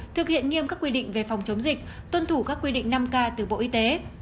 thực hiện nghiêm các quy định về phòng chống dịch tuân thủ các quy định năm k từ bộ y tế